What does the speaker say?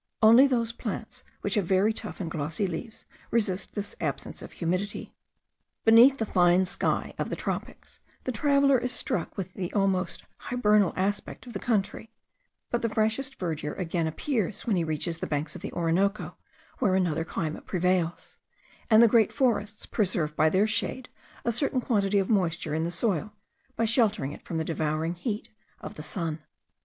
Only those plants which have very tough and glossy leaves resist this absence of humidity. Beneath the fine sky of the tropics the traveller is struck with the almost hibernal aspect of the country; but the freshest verdure again appears when he reaches the banks of the Orinoco, where another climate prevails; and the great forests preserve by their shade a certain quantity of moisture in the soil, by sheltering it from the devouring heat of the sun.